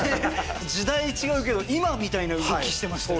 時代違うけど今みたいな動きしてました。